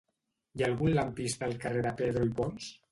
Hi ha algun lampista al carrer de Pedro i Pons?